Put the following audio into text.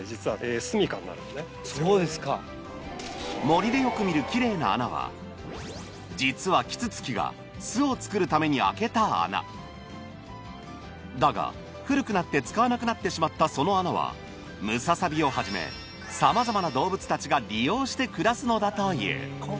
森でよく見るキレイな穴は実はキツツキが巣を作るために開けた穴だが古くなって使わなくなってしまったその穴はムササビをはじめさまざまな動物たちが利用して暮らすのだという